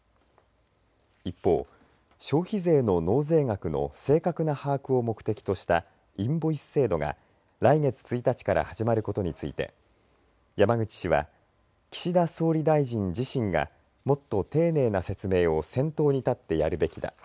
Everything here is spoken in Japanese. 一方、消費税の納税額の正確な把握を目的としたインボイス制度が来月１日から始まることについて山口氏は岸田総理大臣自身がもっと丁寧な説明を先頭に立ってやるべきだ。